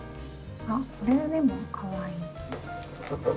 あっこれでもかわいい。